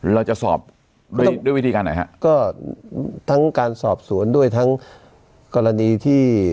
เราจะสอบด้วยด้วยวิธีการไหนฮะก็ทั้งการสอบสวนด้วยทั้งกรณีที่